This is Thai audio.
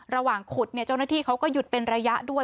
ระหว่างขุดเจ้าหน้าที่เขาก็หยุดเป็นระยะด้วย